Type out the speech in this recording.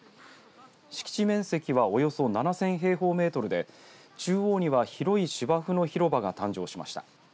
敷地面積は、およそ７０００平方メートルで中央には広い芝生の広場が誕生しました。